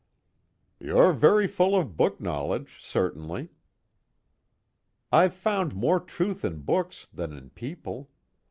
"You're very full of book knowledge, certainly." "I've found more truth in books than in people.